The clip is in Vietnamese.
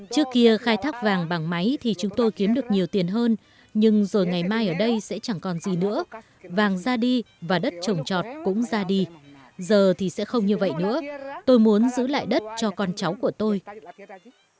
trước kia khai thác vàng bằng máy thì chúng tôi kiếm được nhiều tiền hơn nhưng rồi ngày mai ở đây sẽ chẳng còn gì nữa vàng ra đi và đất trồng trọt cũng ra đi giờ thì sẽ không như vậy nữa tôi muốn giữ lại đất cho con cháu của tôi